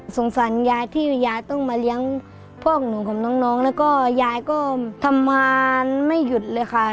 สารยายที่ยายต้องมาเลี้ยงพ่อของหนูของน้องแล้วก็ยายก็ทำงานไม่หยุดเลยค่ะ